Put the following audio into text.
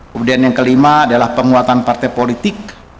kemudian yang kelima adalah penguatan partai politik